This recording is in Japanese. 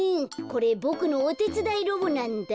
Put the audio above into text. これボクのおてつだいロボなんだ。